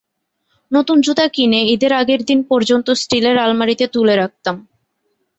নতুন জুতা কিনে ঈদের আগের দিন পর্যন্ত স্টিলের আলমারিতে তুলে রাখতাম।